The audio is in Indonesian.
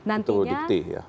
itu dikti ya